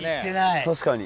確かに。